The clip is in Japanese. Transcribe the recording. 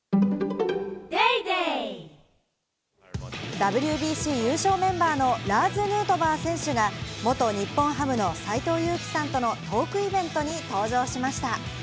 ＷＢＣ優勝メンバーのラーズ・ヌートバー選手が元日本ハムの斎藤佑樹さんとのトークイベントに登場しました。